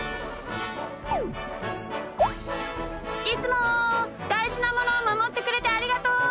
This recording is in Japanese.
いつもだいじなものをまもってくれてありがとう！